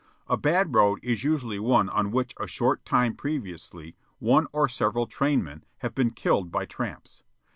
A bad road is usually one on which a short time previously one or several trainmen have been killed by tramps.